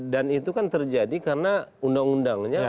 dan itu kan terjadi karena undang undangnya